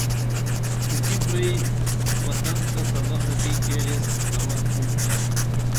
چُٹی پُرہ بئی وطن تہ سبخہ کی کیریس رون بُم بہ